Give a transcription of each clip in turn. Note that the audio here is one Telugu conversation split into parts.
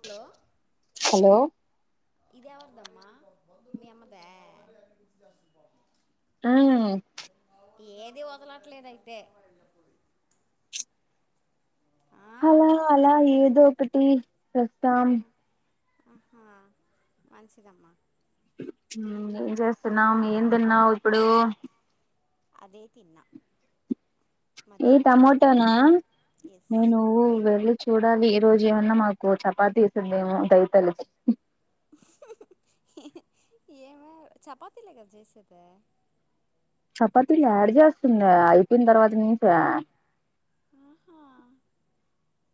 హలో హలో ఇది ఎవరిదమ్మా మీ అమ్మదా. మ్మ్ ఏదీ వదలట్లేదు అయితే ఆ? అలా అలా ఏదో ఒకటి చెప్తాం ఆహా మంచిదమ్మా ఉమ్మ్ ఏం చేస్తున్నావ్ అమ్మి ఏం తిన్నావు ఇప్పుడు అదే తిన్నా ఏ మధ్యాహ్నం చేసుకుందే టమోటోనా తిన్నా ఎస్ ఏ నువ్వు వెళ్లి చూడాలి ఈరోజు ఏమన్నా మాకు చపాతీ ఎసిందేమో డౌటేలే ఏమో చపాతీలే కదా చేసేది చపాతీలు యాడ చేస్తుంది అయిపోయిన తర్వాత నుంచి ఆహా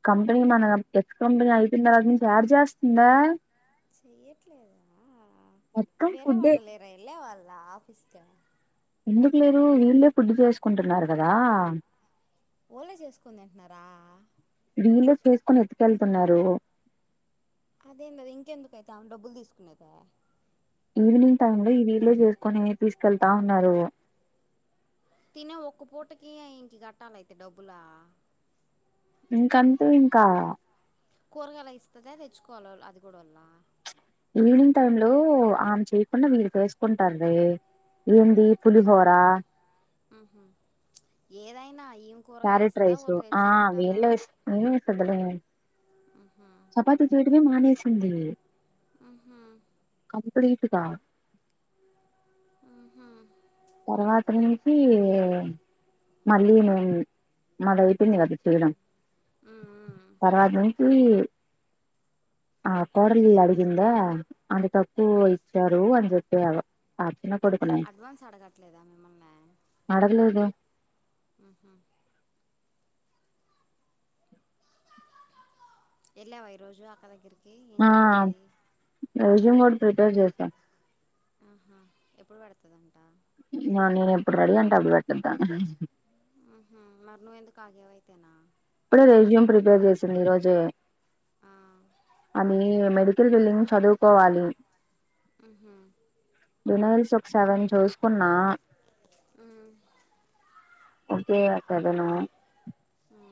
కంపెనీ మన ఎక్స్ కంపెనీ అయిపోయినా తర్వాత నుంచి యాడ చేస్తుందే ఆ చెయ్యట్లేదా మొత్తం వేరే ఫుడ్డే వాళ్ళు లేరా ఎళ్ళే వాళ్ళా ఆఫీస్‌కి ఎందుకు లేరు వీళ్ళే ఫుడ్డు చేసుకుంటున్నారు కదా ఓలే చేసుకొని తింటున్నారా వీళ్ళే చేసుకుని ఎతుకెళ్తున్నారు అదేందది ఇంకెందుకైతే ఆమె డబ్బులు తీసుకునేది ఈవినింగ్ టైమ్‌లో ఈ వీళ్లే చేసుకుని తీసుకెళ్తా ఉన్నారు తినే ఒక్క పూటకి ఇంటి కట్టాలయితే డబ్బులా ఇంకంతే ఇంకా కూరగాయలు ఇస్తాద తెచ్చుకోవాల అది కూడా వల్ల ఈవినింగ్ టైమ్‌లో ఆమె చేయకుండా వీళ్ళు చేసుకుంటార్రే ఏంది పులిహోరా మ్మ్ఉహ్మ్ ఏదైనా ఈమె కూరగాయలు ఇస్తాదా వాళ్ళు తేచుకుంటారా ఆమె ఇస్తాదిలే మ్మ్ఉహ్మ్ చపాతి చేయడమే మానేసింది మ్మ్ఉహ్మ్ కంప్లీట్‌గా మ్మ్ఉహ్మ్ తర్వాత నుంచి మళ్ళీ మేం మాది అయిపోంది కదా చేయడం ఉమ్మ్ తర్వాత నుంచి ఆ కోడల్రిలు అడిగిందా అంత తక్కువ ఇచ్చారు అని చెప్పావ్ ఆ చిన్న కొడుకునే అడ్వాన్స్ అడగట్లేదా మిమ్మల్ని ఆడగలేదే మ్మ్ఉహ్మ్ ఎళ్ళావా ఈరోజు అక్క దగ్గరకి ఆ రెజ్యూమ్ కూడా ప్రిపేర్ చేశా ఆహా ఎప్పుడు పడుతాదంట నాని ఎప్పుడు రెడీ అంటే అప్పుడు పెట్టుద్దా ఆహా మరి నువ్వెందుకు ఆగావు అయితేనా ఇప్పుడే రెజ్యూమ్ ప్రిపేర్ చేసింది ఈరోజే ఆ అది మెడి కల్ బిల్లింగ్ చదువుకోవాలి మ్మ్ఉహ్మ్ రెనావెల్స్ ఒక సెవెన్ చూసుకున్నా ఉ ఒకే [unintelligible] ఆ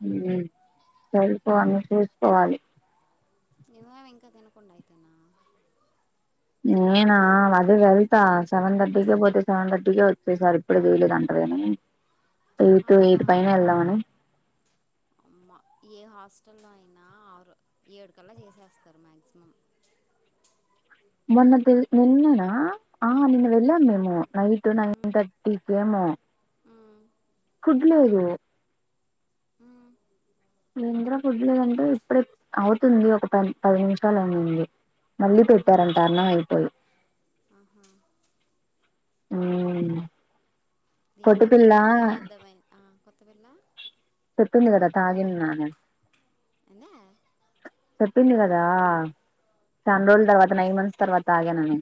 [unintelligible] చూసుకోవాలి నువ్వేమి ఇంకా తినకుండా అయితేనావ్ నేనా అదే వెళ్తా సెవెన్ థర్టీకి పోతే సెవెన్ థర్టీకే వచ్చేసార్ ఇప్పుడు చేయలేదు అంటారు ఆని ఊరికే ఏఇటు పైనే వెళ్దామని అమ్మా ఏ హాస్టల్లో అయిన ఆరు ఏడుకల్లా చేసేస్తారు మ్యాక్సిమం మొన్న నిన్ననా ఆ నిన్న వెళ్ళాం మేము నైట్ నైన్ ఉమ్ థర్ టీ కేమో ఫుడ్ లేదు ఇంద్ర ఫుడ్ లోదంటే ఇప్పుడే అవుతుంది ఒక ప పది నిమిషాలు అనింది మళ్ళీ పెట్టారంట అన్నం అయిపో [unintelligible] ఆహా ఊ దీని బట్టి నీకు ఏం అర్ధంమై ఆ కొత్త పిల్ల చెప్పింది కదా తాగింన్నా [unintelligible] అని [unintelligible] చెప్పింది కదా చాన్ రోజుల తర్వాత నైన్ మంత్స్ తర్వాత తాగాను అని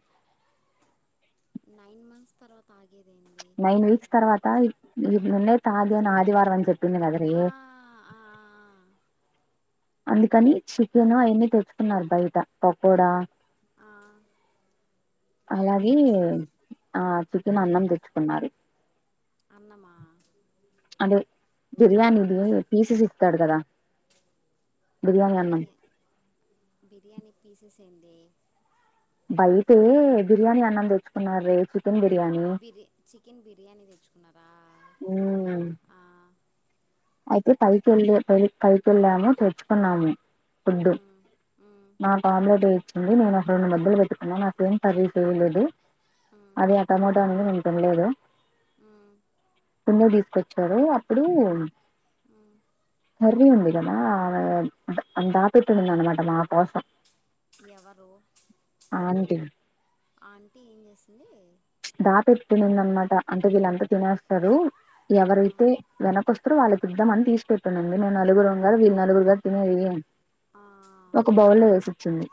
నైన్ మంత్స్ తర్వాత తాగేది ఏంది నైన్ వీక్స్ తర్వాత ఈ నిన్నే తాగను ఆదివారం అని చెప్పింది ఆ, కదవే ఆ, అందుకని చికెను అవన్ని తెచ్చుకున్నారు బయట పకోడ ఆ అలాగే ఆ చికెన్ అన్నం తెచ్చుకున్నారు అన్నమ అదే బిర్యానీది పీసెస్ ఇస్తాడు కదా బిర్యానీ అన్నం బిర్యా బిర్యానీ పీసెస్ ఏందే బయటే బిర్యానీ అన్నం తెచ్చుకున్నారు వే చికన్ బిర్యానీ బిర్ చికెన్ బిర్యానీ తెచ్చుకున్నారా ఉమ్ ఆ అయితే పైకి వెళ్ళె పై పైకి వెళ్ళాము తెచ్చుకున్నాము ఫుడ్డు ఉమ్, ఉమ్, నాక్ ఆమ్లెట్ ఏయిచ్చుకుంది నేను ఒక్క రెండు ముద్దలు పెట్టుకున్నా నాకేం కర్రిస్ ఏయలేదు ఉమ్, అదే ఆ టమాటో అని నేను తినలేదు ఆ ముందుకు తీసుకొచ్చాడు అప్పుడు ఉ కర్రీ ఉంది కదా [unintelligible] దాపెటింద్ది అన్నమాట మాకోసం ఎవరు ఆంటీ ఆంటీ ఏం చేసింది దాపెట్నింది అన్నమాట అంటే వీళ్ళంతా తినేస్తారు ఆ, ఎవరైతే వెనకొస్తరు వాళ్ళికిద్దామని తీసి పెట్టానండి మేం నలుగురం గదా వీళ్ళు నలుగురు గదా తినేది ఆ ఒక బౌల్లో వేసి ఇచ్చింది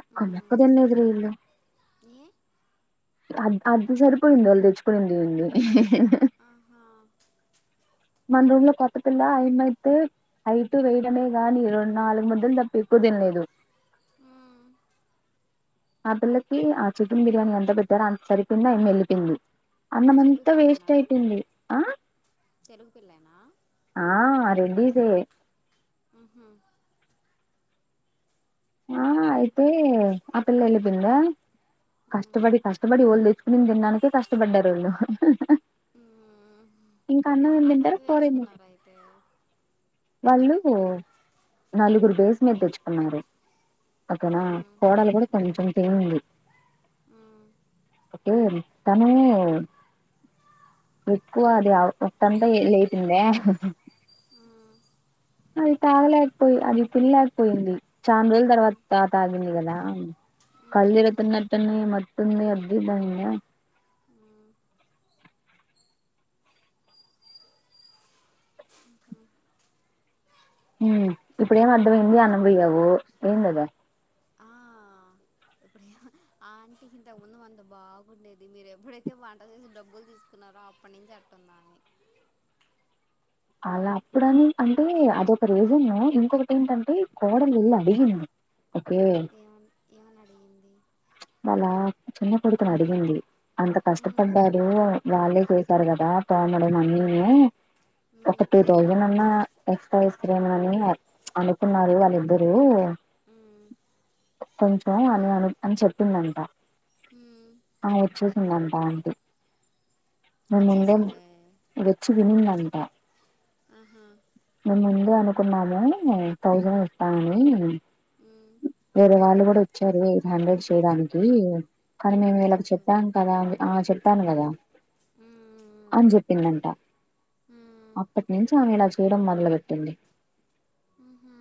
ఒక్క ముక్క ఉమ్, తిన్లేదురా వీళ్లు ఏ అద్ అది సరిపోయింది వాళ్ళు తెచ్చుకునింది ఆహా మన ఊర్ల కొత్త పిల్ల ఆయమ్మైతే అయిటు వేయడమే గాని రెండు నాలుగు ముద్దలు తప్ప ఎక్కువ తినలేదు ఉమ్, ఆ పిల్లకి ఆ చికెన్ బిర్యానీ ఎంత పెట్టారో అంత సరిపోంది ఆయమ్మి ఏళ్లిపోయింది తెలుగు అన్నమంతా వేస్ట్ పిల్లేనా అయిపోయింది ఆ తెలుగు పిల్లేనా ఆ రెండు చే ఉహూ ఆ అయితే ఆ పిల్ల ఎల్లీపోయింద ఉమ్ కష్టపడి కష్టపడి వాళ్లు తెచ్చుకునింది తినడానికే కష్టపడ్డారు వళ్లు ఉమ్ ఇంకా అన్నం ఏం తింటారు కూరేం తి తెల్ వాళ్ళు నలుగురు బేస్ మీద తెచ్చుకున్నారు పక్కన ఉమ్ కోడలు కూడా కొంచెం తినింది ఊ ఒసేయ్ తను ఎక్కువ అది పొట్టంతా ఎ లేసిందే ఆ అది తాగలేకపోయి అది తినలేకపోయింది చానా రోజుల తర్వాత త తాగింది కదా కళ్లు ఉహు తిరుగుతున్నట్టు ఉన్నయి మత్తు ఉంది అది ఇది దాన్య ఆ ఇప్పుడ ఏం అర్ధమైంది అనంబయ్యవు ఏందదా ఎప్పుడు ఆ ఆంటి ఇంతకుముందు అంత బాగుండేది మీరు ఎప్పుడైతే వంట చేసి డబ్బులు తీసుకున్నారో అప్పటి నుంచి అట్టుందామె అలా అప్పుడని అంటే అద ఒక రీజన్ ఇంకొకటి ఏంటంటే కోడలు ఎల్లి అడిగింది ఓకే ఏమన్ ఏమని అడిగింది వాళ్ళ చిన్న కొడుకును అడిగింది అంత ఉమ్ కష్టపడ్డారు వాళ్ళే చేశారు కదా పాముడ ఎమో ఆ అయింది ఉమ్ ఒక టూ థౌజండ్ అన్నా ఎక్స్ట్రా ఇస్తారేమో అని అనుకున్నారు వాళ్ళిద్దరు ఉమ్ కొంచెం అని అని అని చెప్పిందంట ఊ ఆ ఇచ్చేసిందంటా ఆంటీ నా ముందే ఇచ్చేసిందే వచ్చి వినిందంటా ఆహా మేము ముందే అనుకున్నాము థౌజండ్ ఇస్తామని ఊ వేరే వాళ్ళు కూడా వచ్చారు హ్యాండ్రడ్ కు చేయడానికి కానీ మేము ఉమ్ ఇలాకి చెప్పు చెప్పాం కదా అంది ఆ చెపాను కదా ఊ అని చెప్పిందంట ఉమ్ అప్పటినుంచి ఈమె ఇలా చేయడం మొదలు పెట్టింది ఉహు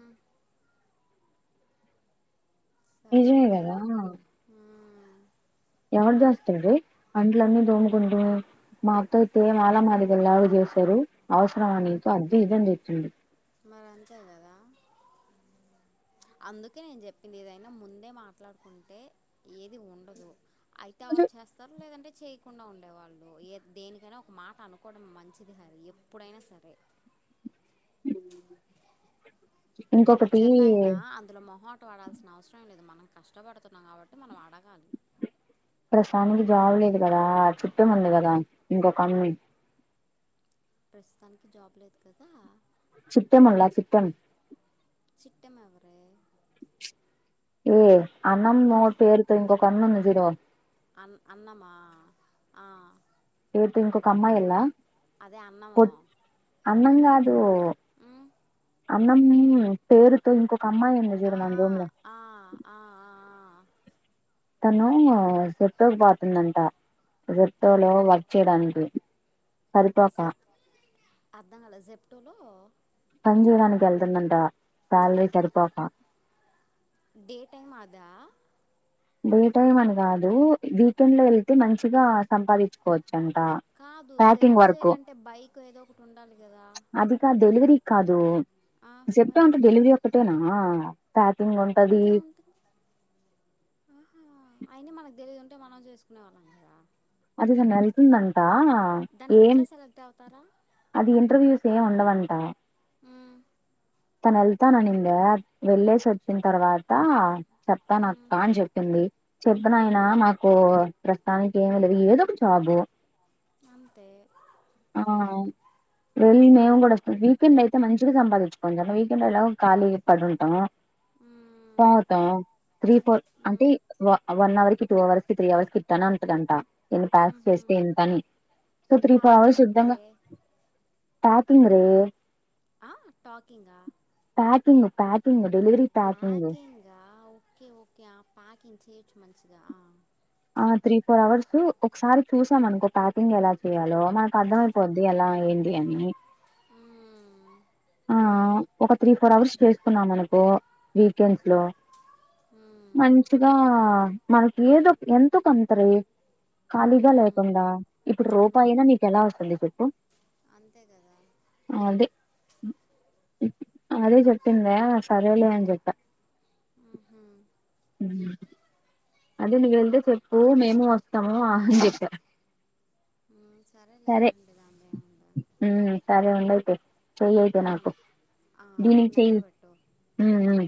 నిజమే సరేలే కదా ఉమ్, ఎవడు దాస్తడే అంట్లన్నీ దోముకుంటూ మా అత్త అయితే మాల మాదిగల్ లావ్ చేస్తారు అవసరమ నీకు అద్ధి ఇధని తిట్టింది అ అంచారు గదా అందుకే నేన్జెప్పింది ఏదైనా ముందే మాట్లాడుకుంటే ఏది ఉండదు అయితేవో చేస్తారు లేదంటే చేయ్ కుండా ఉండేవాళ్ళు ఏ దేనికైనా ఒక మాట అనుకోవడం మంచిది కద ఎప్పుడైనా సరే ఇంకొకటి ఫ్యూచర్లో అయినా అందులో మొహ మాట వడాల్సిన అవసరమేలేదు మనం కష్టబడుతున్నాం గాబట్టి మనం ఆడగాలి ప్రసాన్కి జాబ్ లేదు గదా చుట్టముంది గదా ఇంకొక అన్ ప్రస్తుతానికి జాబ్ లేదు కదా సుట్టమన్లా సుట్టం చిట్టమెవరే ఈ అన్నం మూడ్ పేర్లతో ఇంకొక అన్నుండు జూడు అన్ అన్నమా ఆ ఎవరితో ఇంకొక అమ్మాయెల్లా అదే అన్నము కొట్ అన్నంగాదూ ఉమ్, అన్నమ్ పేరుతో ఇంకొక అమ్మాయిన్ ఆ ఆ ఆ ఆ తనూ జెప్టోక్ బాతుందంట రిట్టోలో ఏమని వర్క్ చేయడానికి సరిపోక అర్థంగాలా జెప్టోలో పన్జెయడానికెల్తుందంట సాలరీ సరిపోక డే టైమ్ అదా డే టైమ్ అని గాదూ వీకెండ్లో వెళ్తే మంచిగా సంపాదిచ్చుకోవచ్చంట కాదు జెప్టో జేయాలంటే బైకొ ఏదోకటి ఉండాలి గదా అది కాద్ డెలివరీ కాదు జెప్టో మరి అంటే డెలివరీ ఒక్కటేనా ప్యాకింగు ఇంకేముంటుంది ఆహా అయినా మనకుదెలియదు ఉంటే మనం జేసుకునే వాళ్ళం గదా అది గనెల్తుందంటా దానికెట్ల సెలెక్టవుతారా అది ఇంటర్వ్యూస్ ఏంవుండవంటా ఊ తనెళ్తాననిందీ వెళ్ళేసి ఒచ్చిన్ తర్వాత మ్మ్ చెప్తానక్కా అన్జెప్పింది చెప్పునాయనా మ్మ్ మాకూ ప్రస్తుతానికి ఏమిలే ఏదొక జాబు అంతే ఆ వెళ్లి మేం గూడొస్తం వీకెండయితే మంచిగ సంపాదించుకోచ్చని వీకెండ్ ఎలాగు ఖాళీయే పడుంటాము మ్మ్ పోతంవు త్రీ ఫోర్ అంటే మ్మ్ వ వన్ అవర్ కి టూ అవర్స్ కి త్రీ అవర్స్ కి ఇట్టనే ఉంటదంట ఇన్ని మ్మ్ ప్యాక్స్ హు చేస్తే ఇంతని ఉంటుంది బాగ పార్క్ ఏంటే శుద్ధంగ టాకింగు రే ఆ టాకింగా ప్యాకింగ్ ప్యాకింగ్ డెలివరీ ప్యాకింగ్ ప్యాకింగా ఓకే ఓకే ఆ పాకింగ్ చేయొచ్చు మంచిగా ఆ ఆ త్రీ ఫోర్ అవర్సు ఒకసారి చూసాం అనుకో ప్యాకింగ్ ఎలా చెయాలో మనకర్థమై పోద్ది ఎలా ఏంది అనీ ఉమ్మ్ ఆ ఒక త్రీ, ఫోర్ అవర్స్ తీసుకున్నాం అనుకో, వీకెండ్స్ లో మ్మ్, మంచిగా మనకి ఏదో, ఎంతో కొంతరే ఖాళీగా మ్మ్. లేకుండా, ఇప్పుడు రూపాయినా నీకు ఎలా వస్తుంది చెప్పు. అంతేగదా అదే అదే చెప్పిందా, [unintelligible] సరేలే అని జెప్ప ఉహుమ్ అదే నువ్ వెళ్తే చెప్పు, మేము వస్తాము ఆహా అని చెప్పా. మ్, సరేలే సరే ఎల్లండి రమ్య అందా ఉమ్ సరే ఉండైతే చెయ్యి అయితే ఆ, నాకు, ఆ, నాకు దీనికి నెంబర్ చెయిన్ పెట్టు ఉమ్మ్ ఉమ్